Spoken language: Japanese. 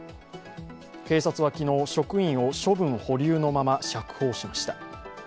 警察は昨日、職員を処分保留のまま釈放しました。